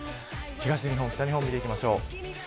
東日本北日本、見ていきましょう。